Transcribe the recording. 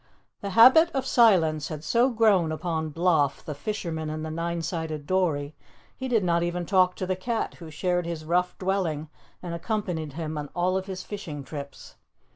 The habit of silence had so grown upon Bloff, the fisherman in the nine sided dory, he did not even talk to the cat who shared his rough dwelling and accompanied him on all of his fishing trips.